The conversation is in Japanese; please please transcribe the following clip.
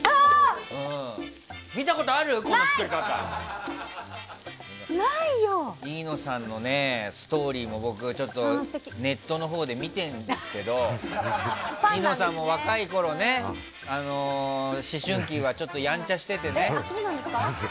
僕、飯野さんのストーリーもネットのほうで見てるんですけど飯野さんも若いころ思春期はちょっとやんちゃしてて。